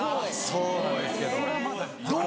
そうなんですけど。